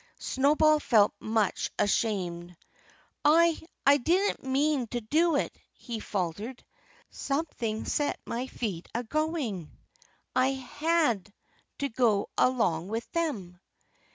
Snowball felt much ashamed. "I I didn't mean to do it," he faltered. "Something set my feet a going. I had to go along with them!"